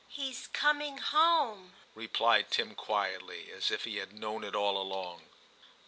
* He's coming home,* replied Tim quietly, as if he had known it all along.